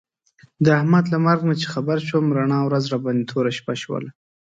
د احمد له مرګ نه چې خبر شوم، رڼا ورځ راباندې توره شپه شوله.